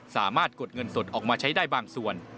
กดเงินสดออกมาใช้ได้บางส่วน